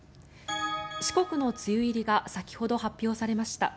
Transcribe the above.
四国の梅雨入りが先ほど発表されました。